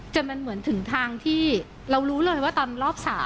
จนมันเหมือนถึงทางที่เรารู้เลยว่าตอนรอบ๓